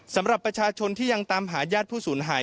สำหรับประชาชนที่ยังตามหาญาติผู้สูญหาย